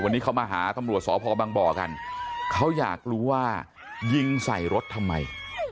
วันนี้เขามาหาตำรวจสพบังบ่อกันเขาอยากรู้ว่ายิงใส่รถทำไม